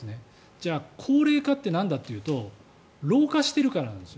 じゃあ高齢化ってなんだというと老化しているからなんです。